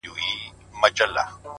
ښه موده کيږي چي هغه مجلس ته نه ورځمه ـ